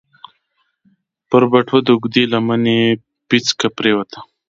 پر بټوه د اوږدې لمنې پيڅکه پرېوته.